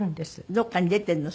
どっかに出てるの？